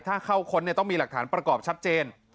ถ้าเข้าค้นต้องมีหลักฐานประกอบชัดเจน